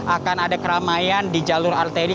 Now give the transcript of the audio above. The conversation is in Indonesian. akan ada keramaian di jalur arteri